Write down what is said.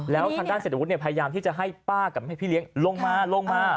แล้วทางด้านเศรษฐวุฒิพยายามที่จะให้ป้ากับให้พี่เลี้ยงลงมาลงมา